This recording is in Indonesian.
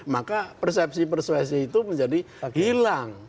maka persepsi persepsi itu menjadi hilang